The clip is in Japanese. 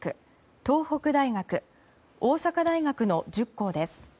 東北大学、大阪大学の１０校です。